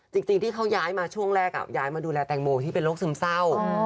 จริงที่เขาย้ายมาช่วงแรกย้ายมาดูแลแตงโมที่เป็นโรคซึมเศร้า